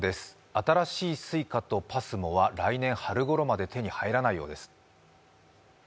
新しいＳｕｉｃａとＰＡＳＭＯは来年春ごろまで手に入らないようです。